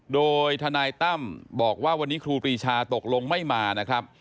โดยทนายตั้มบอกว่าวันนี้ครูปรีชาตกลงไม่มานะครับ